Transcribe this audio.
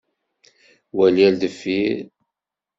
Wali ar deffir!